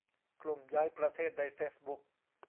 กลุ่มย้ายประเทศในเฟซบุ๊ก